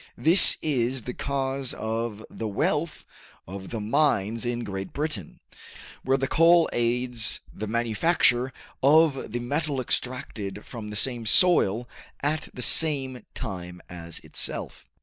This is the cause of the wealth of the mines in Great Britain, where the coal aids the manufacture of the metal extracted from the same soil at the same time as itself.